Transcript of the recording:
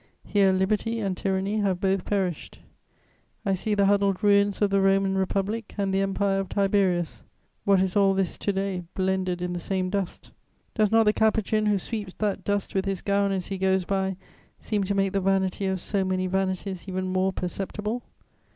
Here liberty and tyranny have both perished: I see the huddled ruins of the Roman Republic and the Empire of Tiberius; what is all this to day blended in the same dust? Does not the Capuchin who sweeps that dust with his gown as he goes by seem to make the vanity of so many vanities even more perceptible?